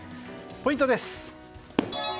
ポイントです。